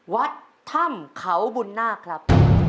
วัดถ้ำเขาบุญนาคครับ